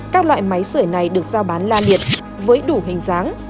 các loại máy sửa này được giao bán la liệt với đủ hình dáng